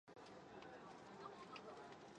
Two days to die.